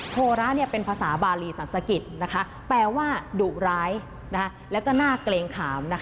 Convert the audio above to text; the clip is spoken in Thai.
โทระเป็นภาษาบารีสันสกิจแปลว่าดุร้ายแล้วก็น่าเกรงขาม